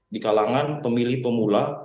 di kalangan pemilih pemula